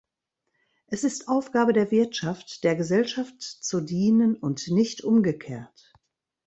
Es ist Aufgabe der Wirtschaft, der Gesellschaft zu dienen, und nicht umgekehrt.